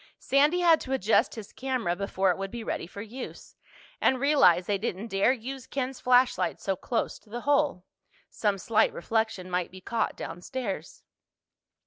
Sandy had to adjust his camera before it would be ready for use, and realized they didn't dare use Ken's flashlight so close to the hole. Some slight reflection might be caught downstairs.